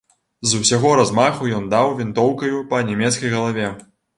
З усяго размаху ён даў вінтоўкаю па нямецкай галаве.